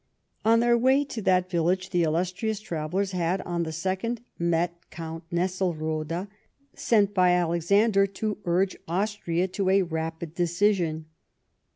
On their way to that village, the illustrious travellers had, on the 2nd, met Count Nesselrode, sent by Alexander to urge Austria to a rapid decision.